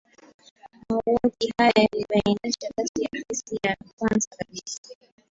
mauaji haya yalibainisha katika kesi ya kwanza kabisa